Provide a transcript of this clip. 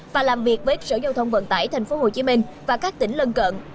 và làm việc với sở giao thông vận tải tp hcm và các tỉnh lân cận